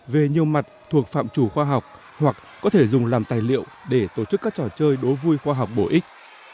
về nhiều mặt thuộc phạm chủ khoa học hoặc có thể dùng làm tài liệu để tổ chức các trò chơi đối vui khoa học bổ ích